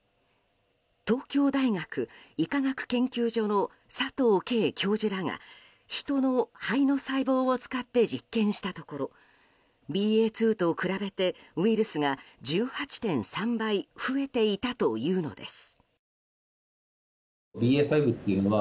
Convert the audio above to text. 東京大学医科学研究所の佐藤桂教授らがヒトの肺の細胞を使って実験したところＢＡ．２と比べてウイルスが１８．３倍増えていたというのです。